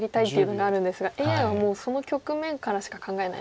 ＡＩはもうその局面からしか考えないので。